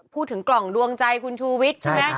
พูดถึงกล่องดวงใจคุณชูวิทย์ใช่ไหม